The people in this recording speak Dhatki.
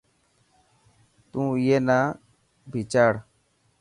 تون اي نا ڀيچاڙ.